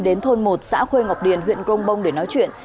đến thôn một xã khuê ngọc điền huyện công bông để nói chuyện